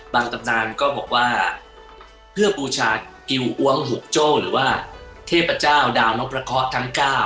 ตำนานก็บอกว่าเพื่อบูชากิวอ้วงหุบโจ้หรือว่าเทพเจ้าดาวนกประเคาะทั้ง๙